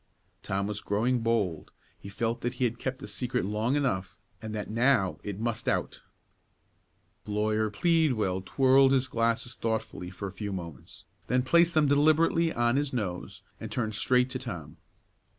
Tom was growing bold; he felt that he had kept the secret long enough and that, now, it must out. Lawyer Pleadwell twirled his glasses thoughtfully for a few moments, then placed them deliberately on his nose, and turned straight to Tom.